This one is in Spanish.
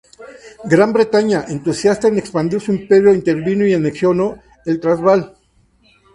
Gran Bretaña, entusiasta en expandir su imperio, intervino y anexionó el Transvaal.